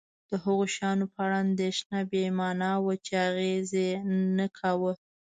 د هغو شیانو په اړه اندېښنه بې مانا وه چې اغېز یې نه کاوه.